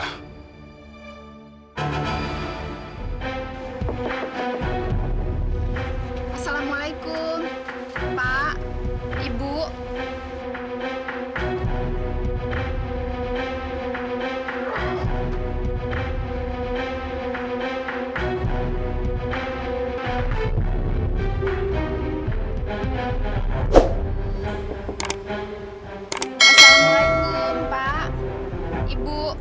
assalamualaikum pak ibu